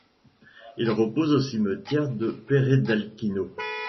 Il repose au cimetière de Peredelkino.